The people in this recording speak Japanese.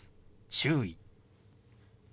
「注意」。